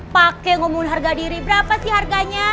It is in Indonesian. pakai ngomongin harga diri berapa sih harganya